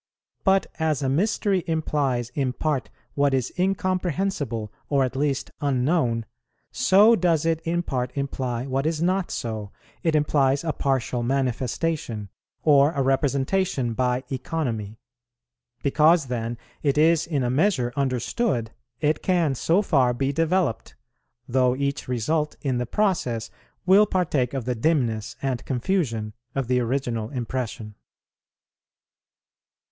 But as a mystery implies in part what is incomprehensible or at least unknown, so does it in part imply what is not so; it implies a partial manifestation, or a representation by economy. Because then it is in a measure understood, it can so far be developed, though each result in the process will partake of the dimness and confusion of the original impression.